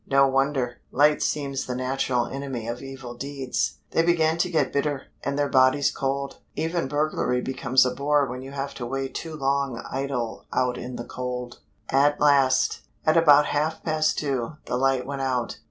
No wonder. Light seems the natural enemy of evil deeds. They began to get bitter, and their bodies cold. Even burglary becomes a bore when you have to wait too long idle out in the cold. At last, at about half past two, the light went out.